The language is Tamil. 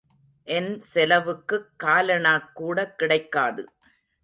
என் செலவுக்குக் காலணாக்கூட கிடைக் காது.